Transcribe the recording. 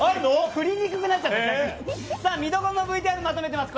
振りにくくなっちゃったよ。